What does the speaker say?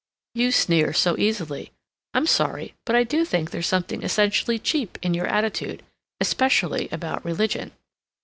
"You sneer so easily. I'm sorry, but I do think there's something essentially cheap in your attitude. Especially about religion.